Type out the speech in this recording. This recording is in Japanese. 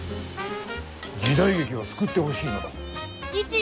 時代劇を救ってほしいのだ。